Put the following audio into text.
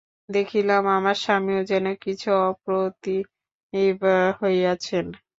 দেখিলাম, আমার স্বামীও যেন কিছু অপ্রতিভ হইয়াছেন।